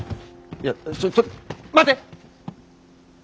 いやちょちょちょ待って！